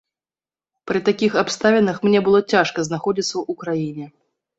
Пры такіх абставінах мне было цяжка знаходзіцца ў краіне.